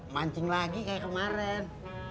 mancing lagi kayak kemarin